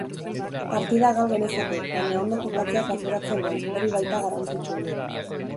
Partida gal genezake, baina ondo jokatzeak arduratzen nau, hori baita garrantzitsuena.